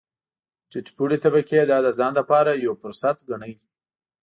ټیټ پوړې طبقې دا د ځان لپاره یو فرصت ګاڼه.